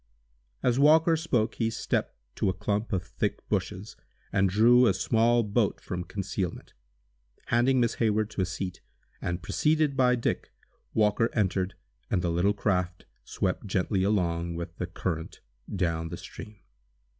As Walker spoke he stepped to a clump of thick bushes, and drew a small boat from concealment. Handing Miss Hayward to a seat, and preceded by Dick, Walker entered, and the little craft swept gently along with the current, down the stream.